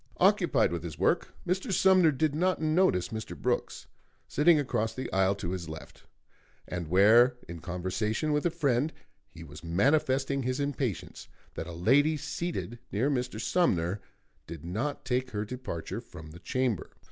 Occupied with his work, Mr. Sumner did not notice Mr. Brooks, sitting across the aisle to his left, and where in conversation with a friend he was manifesting his impatience that a lady seated near Mr. Sumner did not take her departure from the chamber.